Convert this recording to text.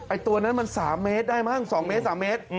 ตัวนั้นมัน๓เมตรได้มั้ง๒เมตร๓เมตร